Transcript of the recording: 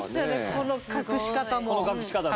この隠し方ね